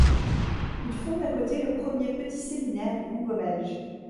Il fonde à côté le premier petit séminaire du Congo belge.